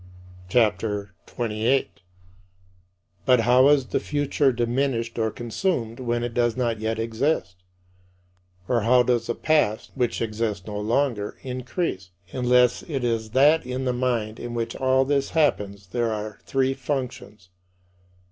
CHAPTER XXVIII 37. But how is the future diminished or consumed when it does not yet exist? Or how does the past, which exists no longer, increase, unless it is that in the mind in which all this happens there are three functions?